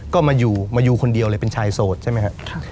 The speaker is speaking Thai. ก็มาอยู่มาอยู่คนเดียวเลยเป็นชายโสดใช่ไหมครับ